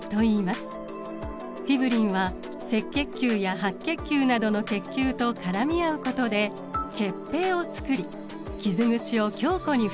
フィブリンは赤血球や白血球などの血球と絡み合うことで血ぺいをつくり傷口を強固にふさぎます。